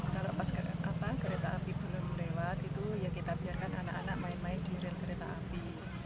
kalau pas kereta api belum lewat itu ya kita biarkan anak anak main main di rel kereta api